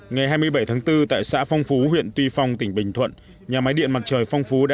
ngày hai mươi bảy tháng bốn tại xã phong phú huyện tuy phong tỉnh bình thuận nhà máy điện mặt trời phong phú đã